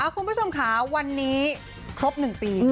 คุณผู้ชมค่ะวันนี้ครบ๑ปี